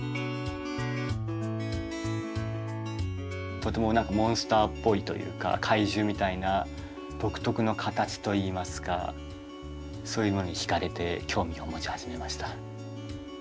とても何かモンスターっぽいというか怪獣みたいな独特の形といいますかそういうものに惹かれて興味を持ち始めました。